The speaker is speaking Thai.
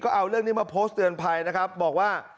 เอาเรื่องนี้มาโพสต์เตือนภัยนะครับบอกว่า